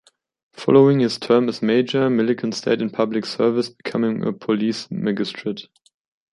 Following his term as mayor, Milliken stayed in public service, becoming a police magistrate.